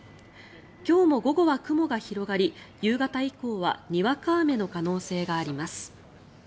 今日も午後は雲が広がり夕方以降はにわか雨の可能性があります。